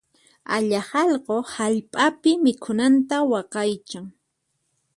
Allaq allqu hallp'api mikhunanta waqaychan.